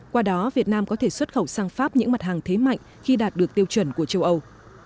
qua đó việt nam có thể xuất khẩu sang pháp những mặt hàng thế mạnh khi đạt được tiêu chuẩn của châu âu